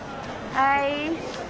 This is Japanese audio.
はい。